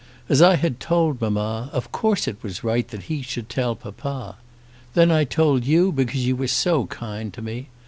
As I had told mamma, of course it was right that he should tell papa. Then I told you, because you were so kind to me!